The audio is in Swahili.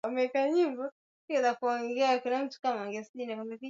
au kutumia kengele makanisani Waislamu walipata kipaumbele